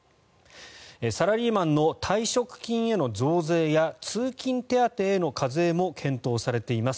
サラリーマンの退職金への増税や通勤手当への課税も検討されています。